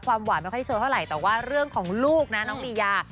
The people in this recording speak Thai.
ความหวานเป็นค่าที่โชว์เท่าไหร่แต่ว่าเรื่องของลูกนะน้องลียา